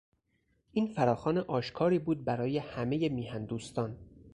این فراخوان آشکاری بود برای همهی میهن دوستان.